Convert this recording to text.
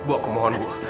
bu aku mohon bu